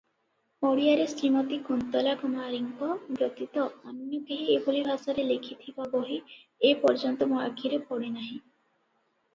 ଓଡ଼ିଆରେ ଶ୍ରୀମତୀ କୁନ୍ତଳା କୁମାରୀଙ୍କ ବ୍ୟତୀତ ଅନ୍ୟ କେହି ଏଭଳି ଭାଷାରେ ଲେଖିଥିବା ବହି ଏପର୍ଯ୍ୟନ୍ତ ମୋ ଆଖିରେ ପଡ଼ିନାହିଁ ।